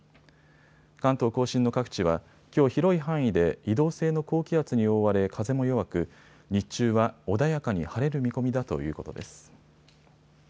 関東甲信の各地はきょう広い範囲で移動性の高気圧に覆われ風も弱く日中は穏やかに晴れる見込みだということです。